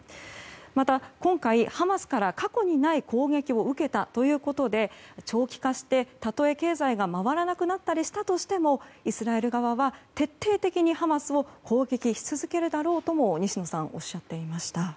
また、今回ハマスから過去にない攻撃を受けたということで長期化して、たとえ経済が回らなくなったりしたとしてもイスラエル側は徹底的にハマスを攻撃し続けるだろうとも西野さんはおっしゃっていました。